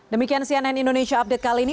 demikian cnn indonesia update kali ini